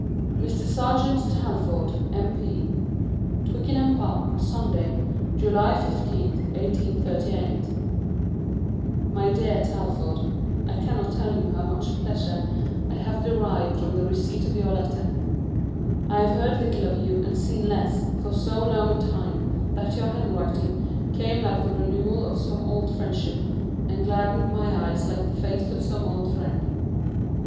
[Sidenote: Mr. Serjeant Talfourd, M.P.] TWICKENHAM PARK, Sunday, July 15th, 1838. MY DEAR TALFOURD, I cannot tell you how much pleasure I have derived from the receipt of your letter. I have heard little of you, and seen less, for so long a time, that your handwriting came like the renewal of some old friendship, and gladdened my eyes like the face of some old friend.